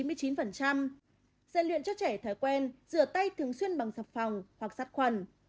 dạy luyện cho trẻ thói quen rửa tay thường xuyên bằng sạc phòng hoặc sát khuẩn